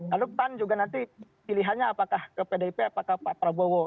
lalu pan juga nanti pilihannya apakah ke pdip apakah pak prabowo